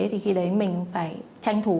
thì khi đấy mình phải tranh thủ